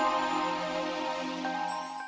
pokoknya nining harus mau